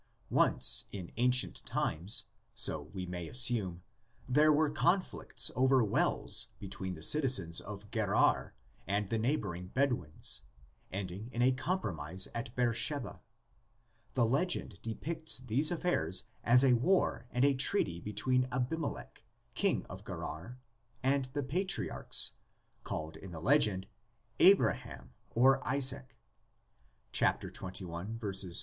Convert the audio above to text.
Once in ancient times, so we may assume, there were conflicts over wells between the citizens of Gerar and the neighboring Bedouins, ending in a compromise at Beersheba. The legend depicts these affairs as a war and a treaty between Abimelech, king of Gerar, and the patriarchs called in the legend Abraham or Isaac, (xxi, 22 ff.